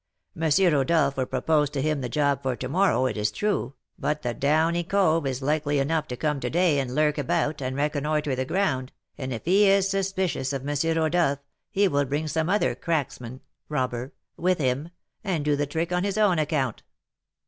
M. Rodolph will propose to him the job for to morrow, it is true, but the 'downy cove' is likely enough to come to day and lurk about, and reconnoitre the ground, and if he is suspicious of M. Rodolph he will bring some other 'cracksman' (robber) with him, and do the trick on his own account.